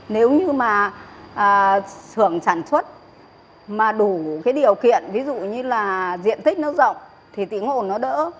nếu như mà sưởng sản xuất mà đủ cái điều kiện ví dụ như là diện tích nó rộng thì tiếng ồn nó đỡ